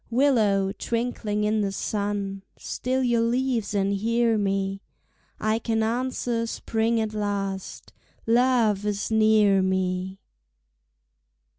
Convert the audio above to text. Willow, twinkling in the sun, Still your leaves and hear me, I can answer spring at last, Love is near me!